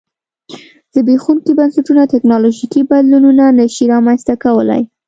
زبېښونکي بنسټونه ټکنالوژیکي بدلونونه نه شي رامنځته کولای